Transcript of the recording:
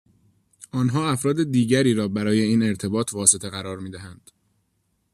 آنها افراد دیگری را برای این ارتباط واسطه قرار می دهند.